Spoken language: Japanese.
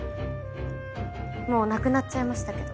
もう亡くなっちゃいましたけど。